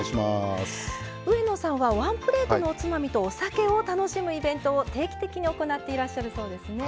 上野さんはワンプレートのおつまみとお酒を楽しむイベントを定期的に行っていらっしゃるそうですね。